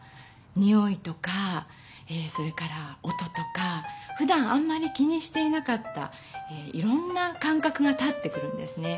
においとかそれから音とかふだんあんまり気にしていなかったいろんな感かくが立ってくるんですね。